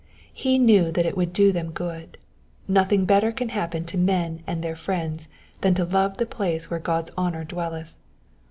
He knew that it would do them good ; nothing better can happen to men and their friends than to love the place where God's honour dwelleth.